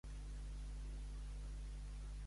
Sant Miquel gloriós porta la lloga dels pastors.